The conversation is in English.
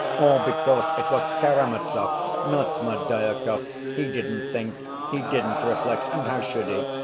All because it was Karamazov, not Smerdyakov, he didn't think, he didn't reflect, and how should he?